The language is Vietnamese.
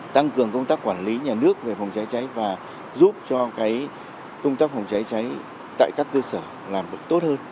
tăng cường công tác quản lý nhà nước về phòng cháy cháy và giúp cho công tác phòng cháy cháy tại các cơ sở làm được tốt hơn